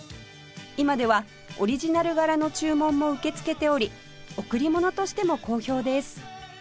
今ではオリジナル柄の注文も受け付けており贈りものとしても好評です